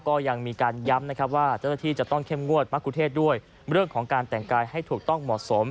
ก็ยังมีการย้ำนะครับว่าเจ้าหน้าที่จะต้องเข้มงวดมะกุเทศด้วยเรื่องของการแต่งกายให้ถูกต้องเหมาะสม